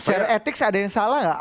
secara etik ada yang salah nggak